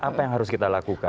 apa yang harus kita lakukan